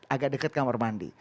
agak dekat kamar mandi